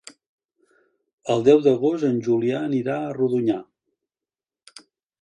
El deu d'agost en Julià anirà a Rodonyà.